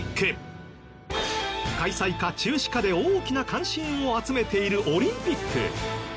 開催か中止かで大きな関心を集めているオリンピック。